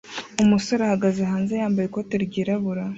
Umusore ahagaze hanze yambaye ikoti ryirabura